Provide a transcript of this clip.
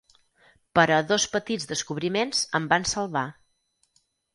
Però dos petits descobriments em van salvar.